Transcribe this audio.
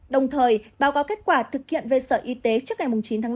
đồng thời báo cáo kết quả thực hiện về sở y tế trước ngày chín tháng tám